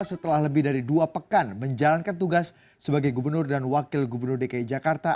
setelah lebih dari dua pekan menjalankan tugas sebagai gubernur dan wakil gubernur dki jakarta